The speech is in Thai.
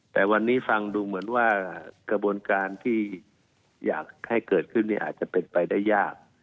แต่วันนี้ฟังดูเหมือนว่ากระบวนการที่อยากให้เกิดขึ้นอาจจะเป็นไปได้ยาก